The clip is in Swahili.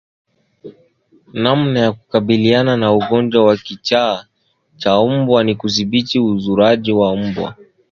Namna ya kukabiliana na ugonjwa wa kichaa cha mbwa ni kudhibiti uzururaji wa mbwa